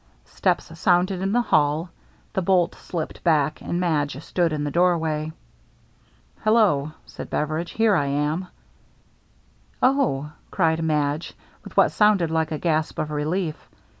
Steps sounded in the hall; the bolt slipped back, and Madge stood in the doorway. " Hello," said Beveridge. " Here I am." " Oh," cried Madge, with what sounded like a gasp of relief.